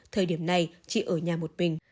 thời điểm này chị ở nhà một mình